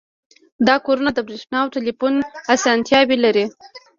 دا کورونه د بریښنا او ټیلیفون اسانتیاوې لري